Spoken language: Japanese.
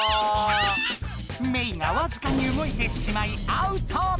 メイがわずかに動いてしまいアウト！